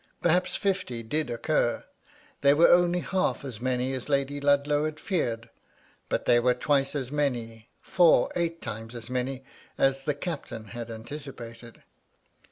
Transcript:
Perhaps fifty did occur ; they were only half as many as Lady Ludlow had feared; hut they were twice as many, four, eight times as many as the captain had antici pated.